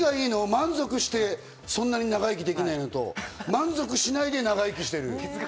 満足してそんなに長生きできないのと、満足しないで長生きしてる。